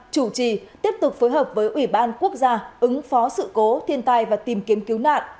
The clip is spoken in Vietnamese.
chủ trì tiếp tục phối hợp với ủy ban quốc gia ứng phó sự cố thiên tai và tìm kiếm cứu nạn